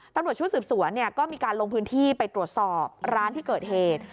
ตำรวจชุดสืบสวนก็มีการลงพื้นที่ไปตรวจสอบร้านที่เกิดเหตุ